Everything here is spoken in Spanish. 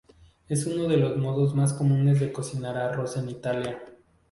Es uno de los modos más comunes de cocinar arroz en Italia.